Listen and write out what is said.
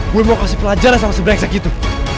gue mau kasih pelajaran sama si breksek itu